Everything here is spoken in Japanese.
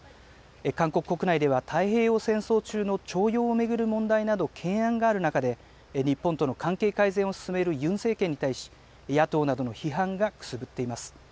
韓国国内では太平洋戦争中の徴用を巡る問題など懸案がある中で、日本との関係改善を進めるユン政権に対し、野党などの批判がくすぶっています。